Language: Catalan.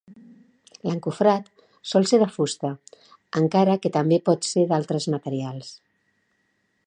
L'encofrat sol ser de fusta, encara que també pot ser d'altres materials.